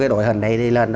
đội hình này đi lên